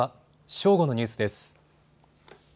正午のニュースです。